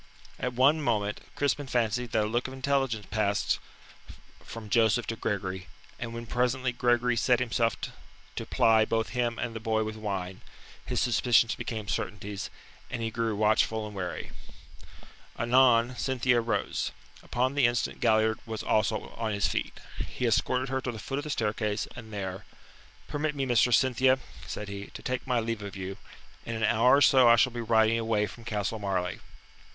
At one moment Crispin fancied that a look of intelligence passed from Joseph to Gregory, and when presently Gregory set himself to ply both him and the boy with wine, his suspicions became certainties, and he grew watchful and wary. Anon Cynthia rose. Upon the instant Galliard was also on his feet. He escorted her to the foot of the staircase, and there: "Permit me, Mistress Cynthia," said he, "to take my leave of you. In an hour or so I shall be riding away from Castle Marleigh."